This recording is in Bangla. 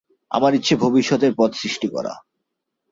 আমার ইচ্ছে ভবিষ্যতের পথ সৃষ্টি করা।